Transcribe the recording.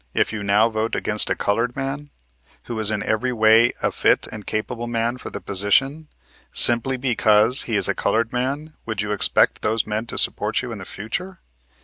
If you now vote against a colored man, who is in every way a fit and capable man for the position, simply because he is a colored man, would you expect those men to support you in the future?"